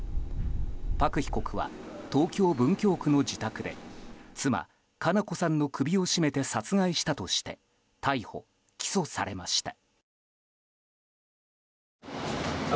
パク被告は東京・文京区の自宅で妻・佳菜子さんの首を絞めて殺害したとして逮捕・起訴されました。